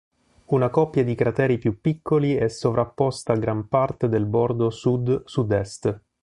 Una coppia di crateri più piccoli è sovrapposta a gran parte del bordo sud-sudest.